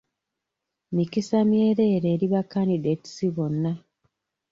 Mikisa myereere eri ba kandidetisi bonna.